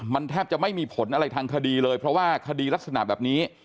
มันแทบจะไม่มีผลอะไรทางคดีเลยเพราะว่าคดีลักษณะแบบนี้